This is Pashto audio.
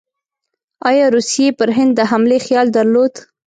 ایا روسیې پر هند د حملې خیال درلود؟